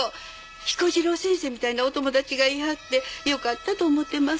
彦次郎先生みたいなお友達がいはってよかったと思うてます。